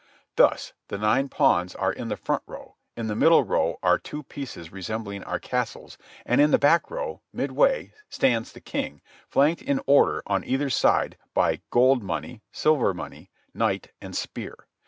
Thus, the nine pawns are in the front row; in the middle row are two pieces resembling our castles; and in the back row, midway, stands the king, flanked in order on either side by "gold money," "silver money," "knight," and "spear."